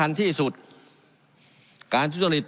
การปรับปรุงทางพื้นฐานสนามบิน